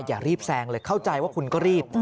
อย่ารีบแซงเลยเข้าใจว่าคุณก็รีบ